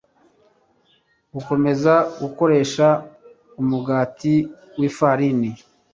Gukomeza gukoresha umugati wifarini